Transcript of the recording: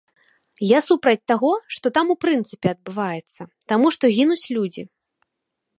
Я супраць таго, што там у прынцыпе адбываецца, таму што гінуць людзі.